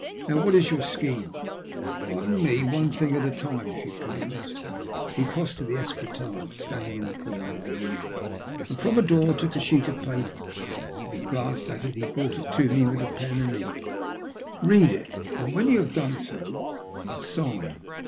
Now what is your scheme ?"'* Pardon me, one thing at a time if you please." He crossed to the escritoire standing in the comer of the room, and from a drawer took a sheet of paper. Having glanced at it he brought it to me with a pen and ink. *' Bead it, and when you have done so, sign.